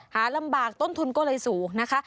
หาลำบากต้นทุนก็เลยสูงนะคะ